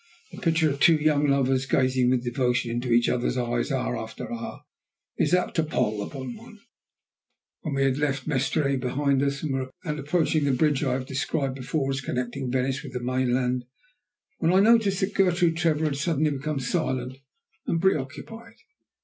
The picture of two young lovers, gazing with devotion into each other's eyes hour after hour, is apt to pall upon one. We had left Mestre behind us, and were approaching the bridge I have described before as connecting Venice with the mainland, when I noticed that Gertrude Trevor had suddenly become silent and preoccupied.